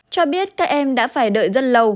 cho biết các em đã phải đợi rất lâu